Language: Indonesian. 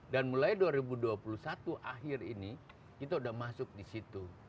mulai dua ribu dua puluh satu akhir ini itu sudah masuk di situ